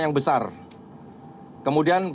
yang besar kemudian